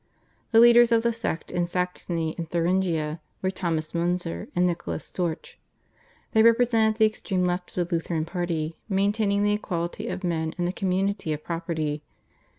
The leaders of the sect in Saxony and Thuringia were Thomas Munzer and Nicholas Storch. They represented the extreme left of the Lutheran party maintaining the equality of men and the community of property.